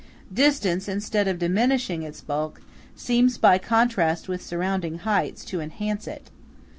Distance, instead of diminishing its bulk, seems by contrast with surrounding heights, to enhance it.